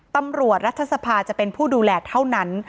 รัฐสภาจะเป็นผู้ดูแลเท่านั้น